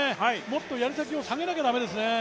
もっとやり先を下げなきゃ駄目ですね。